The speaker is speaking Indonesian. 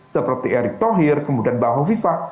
seperti erick thohir kemudian mbak hovifah